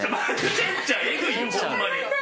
天ちゃんえぐいよホンマに。